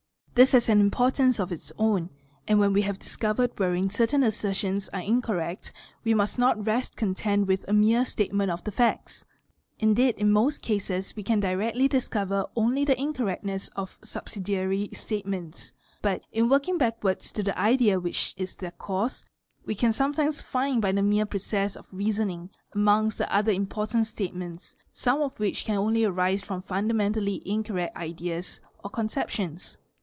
This has an importance of its own, and when we have discovered wherein certain assertions are incorrect, we must not rest content with a mere statement of the facts. Indeed in most cases we can directly discover only the incorrectness of subsidiary statements; but, in working backwards to the idea which is their cause, we can sometimes find by the mere process of reasoning, : amongst the other important statements, some which can only arise from fundamentally incorrect ideas or conceptions.